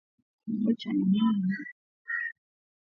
Kiwango cha maambukizi ya ugonjwa wa ndorobo kwa ngamia